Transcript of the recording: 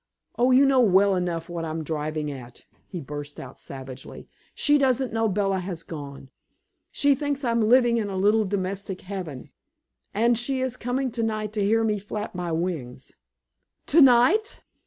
"Oh, you know well enough what I'm driving at," he burst out savagely. "She doesn't know Bella has gone. She thinks I am living in a little domestic heaven, and she is coming tonight to hear me flap my wings." "Tonight!"